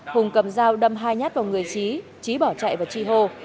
hùng cầm dao đâm hai nhát vào người chí chí bỏ chạy vào chi hô